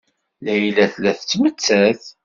Layla tella tettmettat.